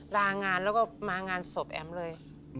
ลางานแล้วก็มางานศพแอ๋มเลย